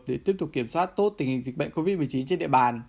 để tiếp tục kiểm soát tốt tình hình dịch bệnh covid một mươi chín trên địa bàn